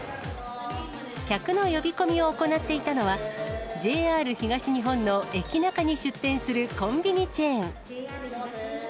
客の呼び込みを行っていたのは、ＪＲ東日本のエキナカに出店するコンビニチェーン。